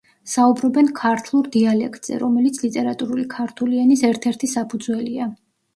საუბრობენ ქართლურ დიალექტზე, რომელიც ლიტერატურული ქართული ენის ერთ-ერთი საფუძველია.